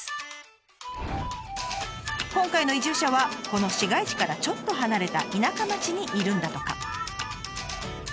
今回の移住者はこの市街地からちょっと離れた田舎町にいるんだとか。